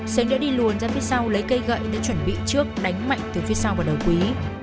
sánh đã đi luồn ra phía sau lấy cây gậy để chuẩn bị trước đánh mạnh từ phía sau vào đầu quý